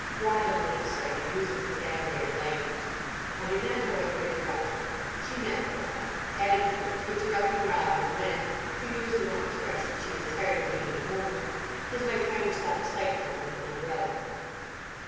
Robina when excited uses exaggerated language. I did not, however, interrupt her; she meant well. Added to which, interrupting Robina, when—to use her own expression—she is tired of being a worm, is like trying to stop a cyclone with an umbrella.)